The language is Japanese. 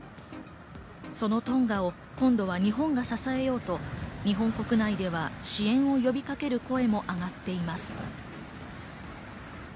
そのトンガを今度は日本が支えようと日本国内では支援を呼びかける声も上がっています。